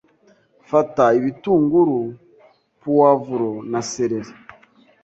Fata ibitunguru, puwavuro na seleri